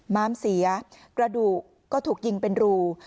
ม้ามเสียกระดูกก็ถูกยิงเป็นรู